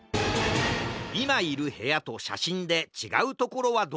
いまいるへやとしゃしんでちがうところはどこかな？